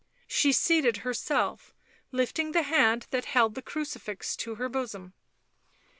She seated herself, lifting the hand that held the crucifix to her bosom.